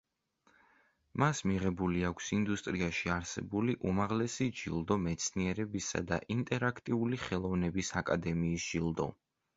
მას მიღებული აქვს ინდუსტრიაში არსებული უმაღლესი ჯილდო მეცნიერებისა და ინტერაქტიული ხელოვნების აკადემიის ჯილდო.